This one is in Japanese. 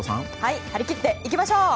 張り切っていきましょう！